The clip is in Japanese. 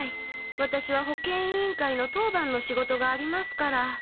ワタシは保健委員会の当番の仕事がありますから。